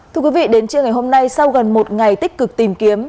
thưa quý vị đến trưa ngày hôm nay sau gần một ngày tích cực tìm kiếm